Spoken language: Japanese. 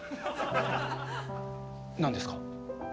何ですか？